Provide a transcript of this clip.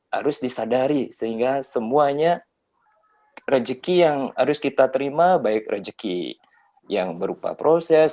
harus disadari sehingga semuanya rezeki yang harus kita terima baik rejeki yang berupa proses